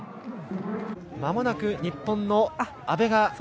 まもなく日本の阿部が。